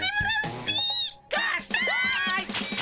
合体！